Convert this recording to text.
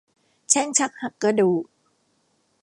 แช่งชักหักกระดูก